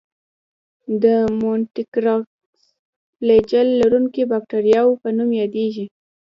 د مونټرایکس فلاجیل لرونکو باکتریاوو په نوم یادیږي.